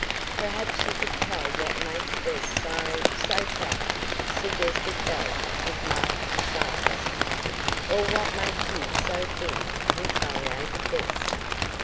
"Perhaps she could tell what makes Bess so so fat," suggested Belle with marked sarcasm. "Or what makes you so thin," retaliated Bess.